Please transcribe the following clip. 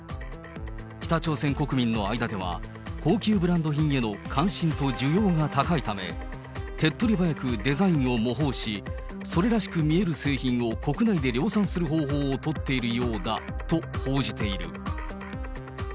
北朝鮮国民の間では、高級ブランド品への関心と需要が高いため、手っ取り早くデザインを模倣し、それらしく見える製品を国内で量産する方法を取っているようだと報じている。